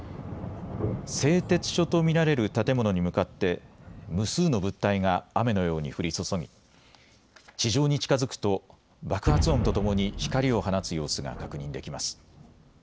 製鉄所と見られる建物に向かって無数の物体が雨のように降り注ぎ地上に近づくと爆発音とともに光りを放つ様子が確認できます。